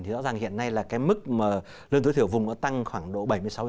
thì rõ ràng hiện nay là cái mức lương tối thiểu vùng đã tăng khoảng độ bảy mươi sáu tám mươi